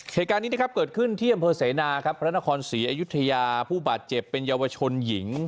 เหตุการณ์นี้นะครับเกิดขึ้นที่อำเภอเสนาครับพระนครศรีอยุธยาผู้บาดเจ็บเป็นเยาวชนหญิง